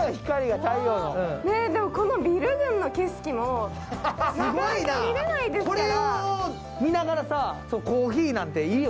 でもこのビル群の景色もなかなか見れないですから。